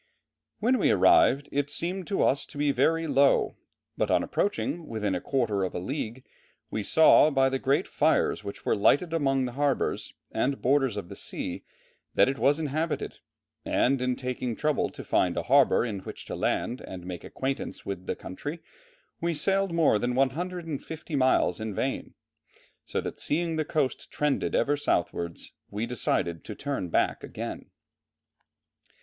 "When we arrived, it seemed to us to be very low, but on approaching within a quarter of a league we saw by the great fires which were lighted along the harbours and borders of the sea, that it was inhabited, and in taking trouble to find a harbour in which to land and make acquaintance with the country, we sailed more than 150 miles in vain, so that seeing the coast trended ever southwards, we decided to turn back again."